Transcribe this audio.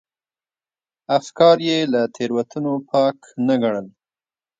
افکار یې له تېروتنو پاک نه ګڼل.